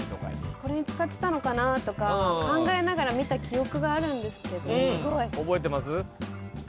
これに使ってたのかなとか考えながら見た記憶があるんですけど。